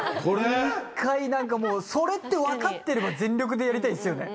もう１回何かもうそれって分かってれば全力でやりたいですよね。